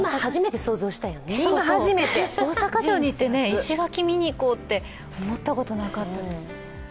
今、初めて！大阪城に行って石垣見に行こうなんて思ったことないです。